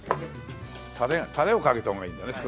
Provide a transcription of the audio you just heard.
タレをかけた方がいいんだね少しね。